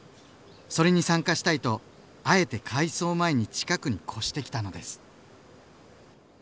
それに参加したいとあえて改装前に近くに越してきたのです。